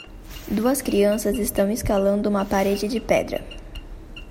Duas crianças estão escalando uma parede de pedra.